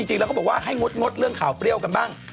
จริงแล้วเขาบอกว่าให้งดเรื่องข่าวเปรี้ยวกันบ้าง